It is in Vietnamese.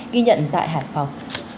ghi nhận tại hải phòng